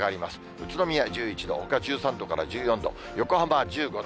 宇都宮１１度、ほか１３度から１４度、横浜は１５度。